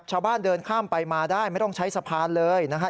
ชาวบ้านเดินข้ามไปมาได้ไม่ต้องใช้สะพานเลยนะครับ